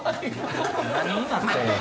何になってんの？